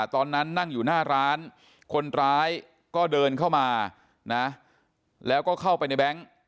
ตอนนั้นนั่งอยู่หน้าร้านคนร้ายก็เดินเข้ามานะแล้วก็เข้าไปในแบงค์